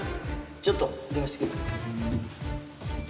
ちょっと電話してくる。